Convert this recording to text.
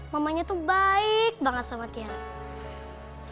mamanya tuh baik banget sama tian